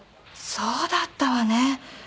そうだったわね。